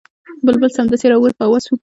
بلبل سمدستي را ووت په هوا سو